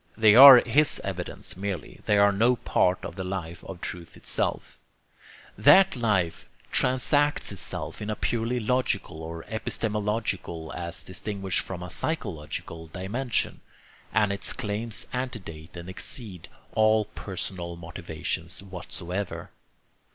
They are his evidence merely, they are no part of the life of truth itself. That life transacts itself in a purely logical or epistemological, as distinguished from a psychological, dimension, and its claims antedate and exceed all personal motivations whatsoever.